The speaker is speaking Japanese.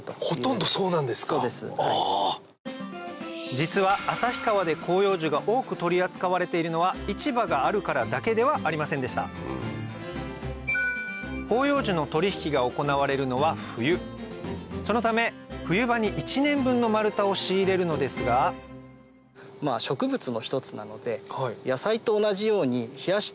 実は旭川で広葉樹が多く取り扱われているのは「市場があるから」だけではありませんでした広葉樹の取引が行われるのは冬そのため植物の一つなので野菜と同じように。